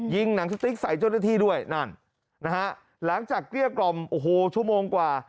หนังสติ๊กใส่เจ้าหน้าที่ด้วยนั่นนะฮะหลังจากเกลี้ยกล่อมโอ้โหชั่วโมงกว่า